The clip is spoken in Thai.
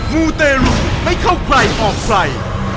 มูเตรุไม่เข้าใครออกใคร